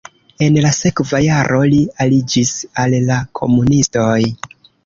En la sekva jaro li aliĝis al la komunistoj.